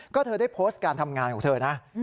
ก็เธอได้โพสต์การทำงานของเธอนะ